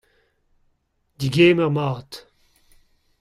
Degemer mat !